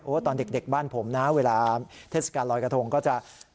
ตอนเด็กบ้านผมนะเวลาเทศกาลลอยกระทงก็จะ